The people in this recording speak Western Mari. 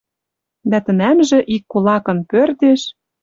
Дӓ тӹнӓмжӹ ик кулакын пӧртеш